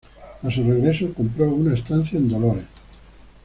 A su regreso, compró una estancia en Dolores.